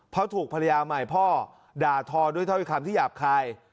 เพราะถูกภรรยาใหม่พ่อด่าทอด้วยถ้อยคำที่หยาบคาย